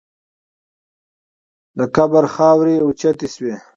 د قبر خاورې اوچتې شوې.